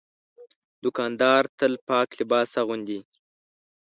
دوکاندار تل پاک لباس اغوندي.